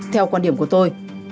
theo quan điểm của tôi